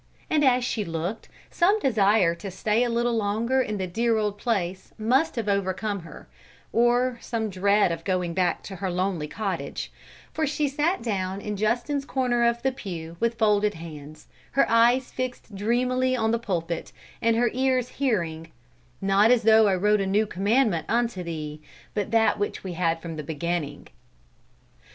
And as she looked, some desire to stay a little longer in the dear old place must have come over her, or some dread of going back to her lonely cottage, for she sat down in Justin's corner of the pew with folded hands, her eyes fixed dreamily on the pulpit and her ears hearing: "Not as though I wrote a new commandment unto thee, but that which we had from the beginning."